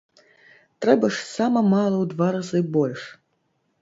Трэба ж сама мала ў два разы больш.